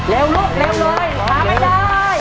เร็วลูกเร็วเลยทำไมได้